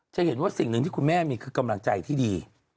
จะเห็นว่าสิ่งหนึ่งที่คุณแม่มีคือกำลังใจที่ดี